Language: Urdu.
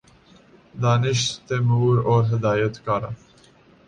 دانش تیمور اور ہدایت کارہ